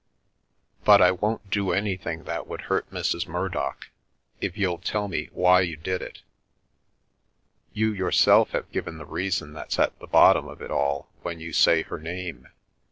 But I won't do anything that would hurt Mrs. Mur dock, if you'll tell me why you did it." " You yourself have given the reason that's at the bot tom of it all when you say her name.